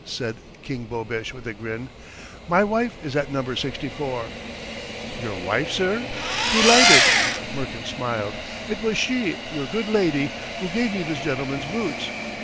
said King Bobesh with a grin. "My wife is at No. 64." "Your wife, sir? Delighted. ..." Murkin smiled. "It was she, your good lady, who gave me this gentleman's boots.